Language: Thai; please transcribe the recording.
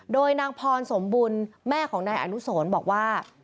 โดยนางพรสมบุญแม่ของนายอนุสรบอกว่า